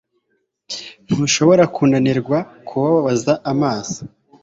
ntushobora kunanirwa kubabaza amaso